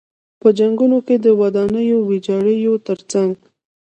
په جنګونو کې د ودانیو ویجاړیو تر څنګ.